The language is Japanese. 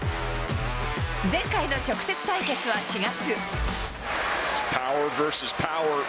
前回の直接対決は４月。